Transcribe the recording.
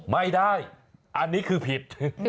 ไม่ได้อันนี้คือผิด